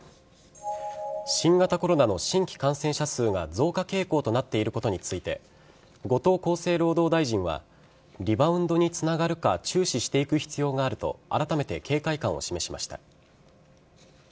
新型コロナの新規感染者数が増加傾向となっていることについて後藤厚生労働大臣はリバウンドにつながるか注視していく必要があるとあらためて警戒感を示す示しました。